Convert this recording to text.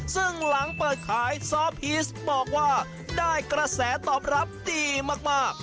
ซึ่งหลังเปิดขายซอฟฮีสบอกว่าได้กระแสตอบรับดีมาก